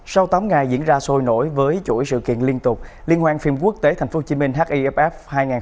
sau tám ngày diễn ra sôi nổi với chuỗi sự kiện liên tục liên hoan phim quốc tế tp hcm hiff hai nghìn hai mươi bốn